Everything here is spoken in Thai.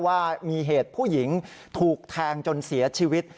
ว่ามีเหตุผู้หญิงถูกแทงจนเสียชีวิต